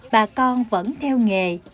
bà con vẫn theo nghề